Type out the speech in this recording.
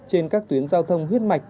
trên các tuyến giao thông huyết mạch